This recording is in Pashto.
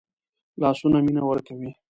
لاسونه مینه ورکوي